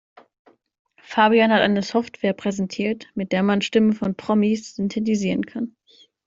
Fabian hat eine Software präsentiert, mit der man Stimmen von Promis synthetisieren kann.